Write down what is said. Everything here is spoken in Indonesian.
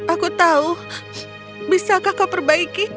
aku tahu bisakah kau perbaiki